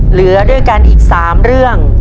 เหลือด้วยกันอีก๓เรื่อง